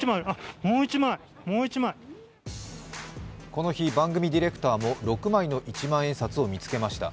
この日、番組ディレクターも６枚の一万円札を見つけました。